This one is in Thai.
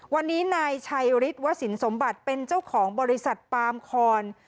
วันนี้นายชัยฤทธิวสินสมบัติเป็นเจ้าของบริษัทปามคอน